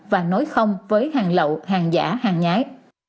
và nói không với hàng lậu hàng giả hàng nhái